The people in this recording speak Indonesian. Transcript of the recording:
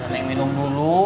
neng minum dulu